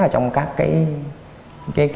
trong các cái